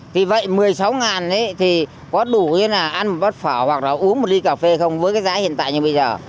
thì vậy một mươi sáu thì có đủ là ăn vất phở hoặc là uống một ly cà phê không với cái giá hiện tại như bây giờ